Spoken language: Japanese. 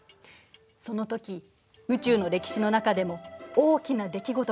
そのとき宇宙の歴史の中でも大きな出来事があったのよ。